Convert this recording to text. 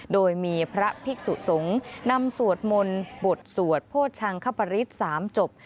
โดยมีพระภิกษุสงฆ์นำสวดมนต์บทสวดโภชังคปริศ๓จบ